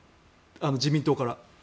自民党から。